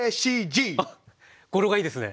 語呂がいいですね。